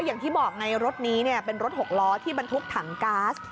อย่างที่บอกไงรถนี้เป็นรถหกล้อที่บรรทุกถังก๊าซ